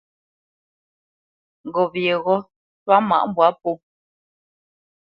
Ŋgop yeghó ntwá mâʼ mbwǎ pō.